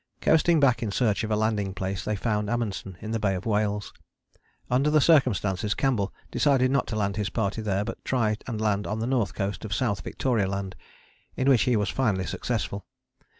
Coasting back in search of a landing place they found Amundsen in the Bay of Whales. Under the circumstances Campbell decided not to land his party there but to try and land on the north coast of South Victoria Land, in which he was finally successful.